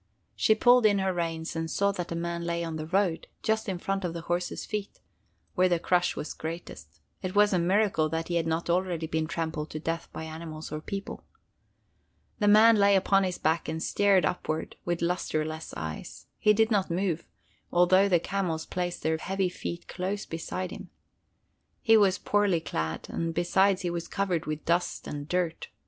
She pulled in her reins and saw that a man lay in the road, just in front of the horse's feet, where the crush was greatest. It was a miracle that he had not already been trampled to death by animals or people. The man lay upon his back and stared upward with lusterless eyes. He did not move, although the camels placed their heavy feet close beside him. He was poorly clad, and besides he was covered with dust and dirt.